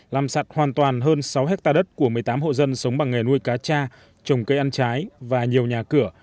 làm sạt hoàn toàn hơn sáu hectare đất của một mươi tám hộ dân sống bằng nghề nuôi cá cha trồng cây ăn trái và nhiều nhà cửa